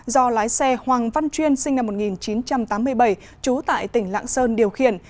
do lái xe hoàng văn chuyên sinh năm một nghìn chín trăm tám mươi bảy trú tại tỉnh lạng sơn điều khiển